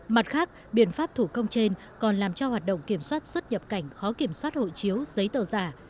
mặt khác biện pháp thủ công trên còn làm cho hoạt động kiểm soát xuất nhập cảnh khó kiểm soát hội chiếu giấy tờ giả